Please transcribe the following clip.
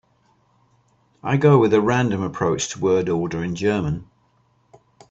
I go with a random approach to word order in German.